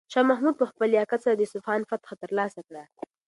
شاه محمود په خپل لیاقت سره د اصفهان فتحه ترلاسه کړه.